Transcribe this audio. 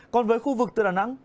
còn với khu vực từ đà nẵng